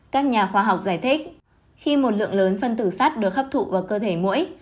các nhà khoa học giải thích khi một lượng lớn phân tử sắt được hấp thụ vào cơ thể mũi